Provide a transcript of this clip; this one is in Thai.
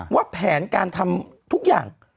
ว่าแผนการทำทุกอย่าง